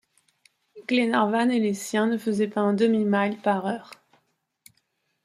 Glenarvan et les siens ne faisaient pas un demi-mille par heure.